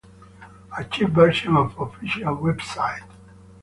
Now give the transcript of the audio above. Archived version of official website